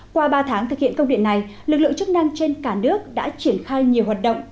qua ba tháng thực hiện công điện này lực lượng chức năng trên cả nước đã triển khai nhiều hoạt động